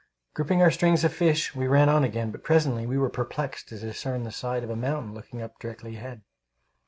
Gripping our strings of fish, we ran on again, but presently we were perplexed to discern the side of a mountain looking up directly ahead.